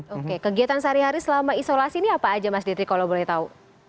oke kegiatan sehari hari selama isolasi ini apa aja mas detri kalau boleh tahu